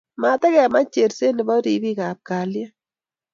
Matikemach Cherset nebo ripik ab kalyet